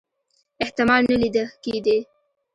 احتمال نه لیده کېدی.